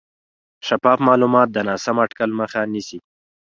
شفاف معلومات د ناسم اټکل مخه نیسي.